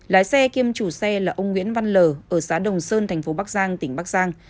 lái xe kiêm chủ xe là ông nguyễn văn lờ ở xã đồng sơn thành phố bắc giang tỉnh bắc giang